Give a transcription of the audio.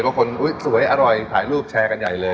คนอุ๊ยสวยอร่อยถ่ายรูปแชร์กันใหญ่เลย